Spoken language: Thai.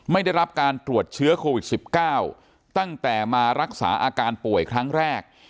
ไม่ได้รับการตรวจเชื้อโควิด๑๙ตั้งแต่มารักษาอาการป่วยครั้งแรก